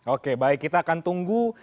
oke baik kita akan tunggu